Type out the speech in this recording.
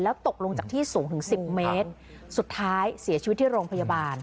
ตกลงจากที่สูงถึงสิบเมตรสุดท้ายเสียชีวิตที่โรงพยาบาล